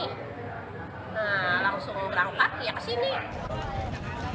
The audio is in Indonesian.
nah langsung berangkat ya ke sini